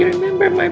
aku inget banget mama